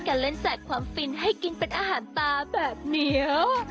การเล่นแจกความฟินให้กินเป็นอาหารตาแบบเหนียว